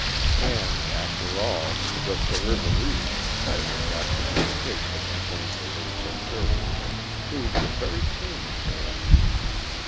And, after all, the charivari, as is apt to be the case when the plans are laid so carefully, proved a very tame affair.